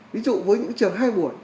ví dụ với những trường hai buổi